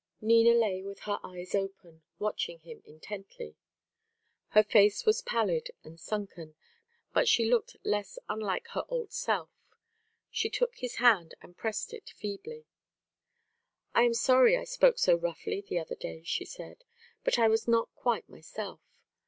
Nina lay with her eyes open, watching him intently. Her face was pallid and sunken; but she looked less unlike her old self. She took his hand and pressed it feebly. "I am sorry I spoke so roughly the other day," she said. "But I was not quite myself.